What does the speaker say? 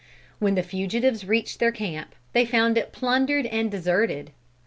When the fugitives reached their camp they found it plundered and deserted.